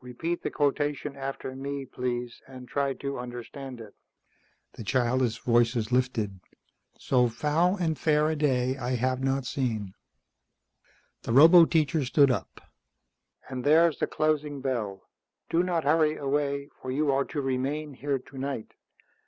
Repeat the quotation after me, please, and try to understand it." The childish voices lifted. "So foul and fair a day I have not seen." The roboteacher stood up. "And there's the closing bell. Do not hurry away, for you are to remain here tonight.